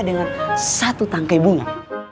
dengan satu tangkai bunga